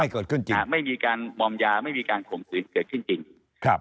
เกิดขึ้นจริงไม่มีการมอมยาไม่มีการข่มขืนเกิดขึ้นจริงครับ